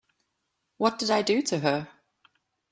What did I do to her?